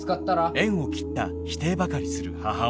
縁を切った否定ばかりする母親